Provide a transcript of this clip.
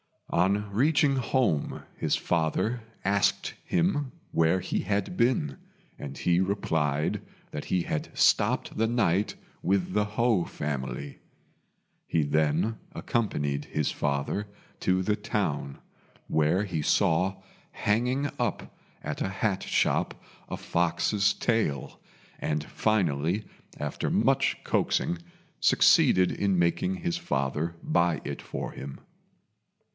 On reaching home his father asked him where he had been, and he replied that he had stopped the night with the Ho family. He then accompanied his father to the town, where he saw hanging up at a hat shop a fox's tail, and finally, after much coaxing, succeeded in making his father buy it for him.